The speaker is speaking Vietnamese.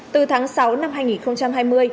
từ tháng sáu năm hai nghìn hai mươi